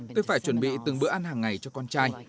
tôi phải chuẩn bị từng bữa ăn hàng ngày cho con trai